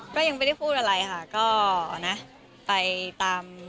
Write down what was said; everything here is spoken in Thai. ก็ยังไม่ได้พูดอะไรค่ะก็นะไปตาม